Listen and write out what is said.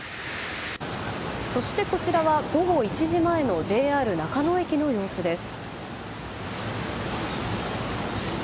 そしてこちらは午後１時前のＪＲ中野駅の様子です。